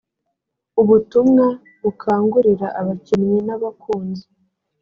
ubutumwa bukangurira abakinnyi n’abakunzi .